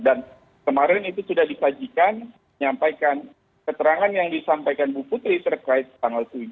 dan kemarin itu sudah disajikan nyampaikan keterangan yang disampaikan bu putri terkait tanggal tujuh